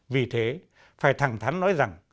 vì thế phải thẳng thắn nói rằng